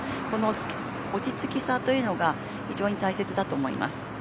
この落ち着きさというのが非常に大切だと思います。